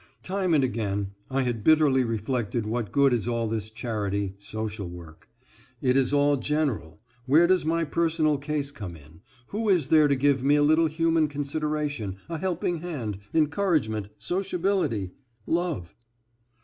Time and again I had bitterly reflected what good is all this charity, social work. It is all general, where does my personal case come in, who is there to give me a little human consideration, a helping hand, encouragement, sociability, love?